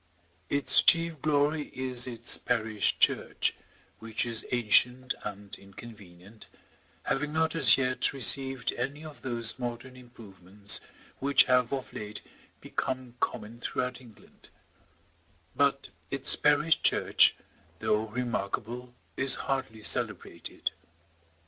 Its chief glory is its parish church, which is ancient and inconvenient, having not as yet received any of those modern improvements which have of late become common throughout England; but its parish church, though remarkable, is hardly celebrated.